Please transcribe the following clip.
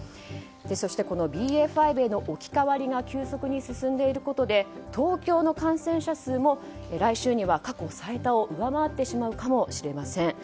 このＢＡ．５への置き換わりが急速に進んでいることで東京の感染者数も来週には過去最多を上回ってしまうかもしれません。